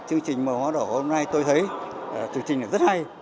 chương trình màu hóa đỏ hôm nay tôi thấy chương trình này rất hay